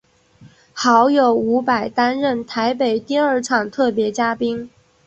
好友伍佰担任台北第二场特别嘉宾。